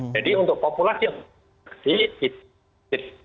jadi untuk populasi yang masih it's it